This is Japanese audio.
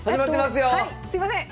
すいません！